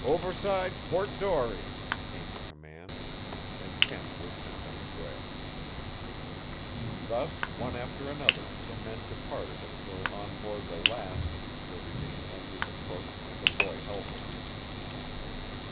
"Overside port dory!" came the command, and Kent was sent on his way. Thus one after another the men departed until on board the Lass there remained only the cook and a boy helper.